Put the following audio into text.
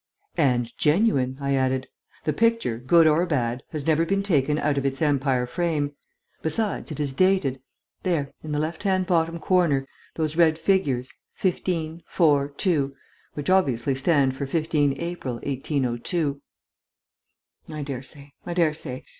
"And genuine," I added. "The picture, good or bad, has never been taken out of its Empire frame. Besides, it is dated.... There, in the left hand bottom corner: those red figures, 15. 4. 2, which obviously stand for 15 April, 1802." "I dare say ... I dare say....